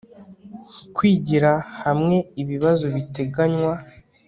Kwigira hamwe ibibazo biteganywa